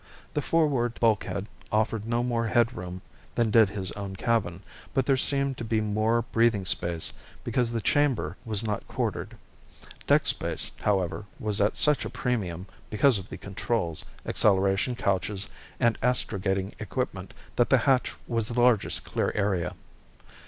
The forward bulkhead offered no more head room than did his own cabin, but there seemed to be more breathing space because this chamber was not quartered. Deck space, however, was at such a premium because of the controls, acceleration couches, and astrogating equipment that the hatch was the largest clear area.